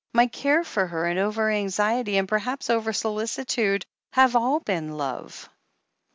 My care for her, and over anxiety, and perhaps over solicitude, have all been love."